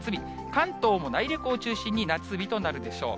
関東の内陸を中心に夏日となるでしょう。